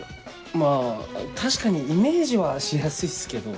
まぁ確かにイメージはしやすいっすけど。